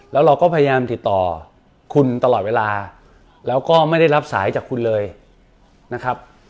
แล้วเราก็พยายามติดต่อคุณตลอดเวลาแล้วก็ไม่ได้รับสายจากคุณเลยนะครับ